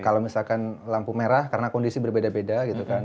kalau misalkan lampu merah karena kondisi berbeda beda gitu kan